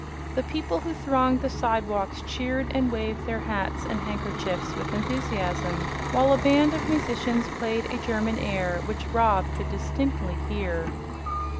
The people who thronged the sidewalks cheered and waved their hats and handkerchiefs with enthusiasm, while a band of musicians played a German air, which Rob could distinctly hear.